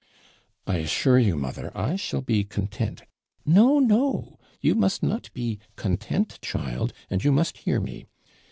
'I assure you, mother, I shall be content ' 'No, no; you must not be content, child, and you must hear me.